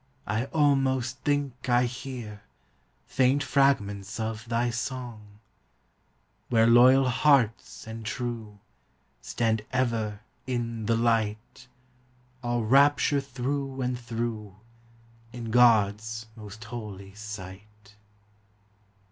I almost think I hear Faint fragments of thy song; Where loyal hearts and true Stand ever in the light, All rapture through and through, In God's most holy sight.